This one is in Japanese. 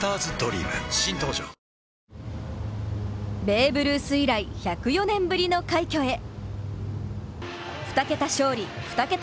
ベーブ・ルース以来、１０４年ぶりの快挙へ。